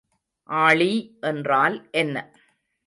ஆளி என்றால் என்ன?